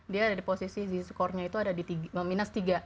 dia ada di posisi di skornya itu ada di minus tiga